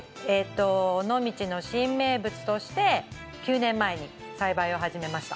尾道の新名物として９年前に栽培を始めました。